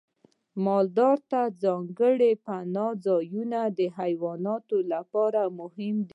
مالدارۍ ته ځانګړي پناه ځایونه د حیواناتو لپاره مهم دي.